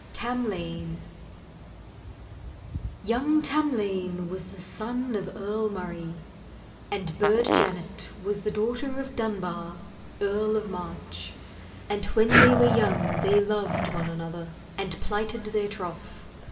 Tamlane Young Tamlane was son of Earl Murray, and Burd Janet was daughter of Dunbar, Earl of March. And when they were young they loved one another and plighted their troth.